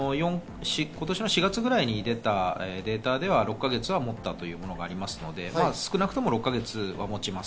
今年の４月ぐらいにデータでは６か月はもったというものがありますので、少なくとも６か月はもちます。